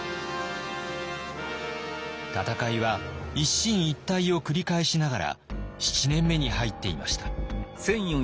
戦いは一進一退を繰り返しながら７年目に入っていました。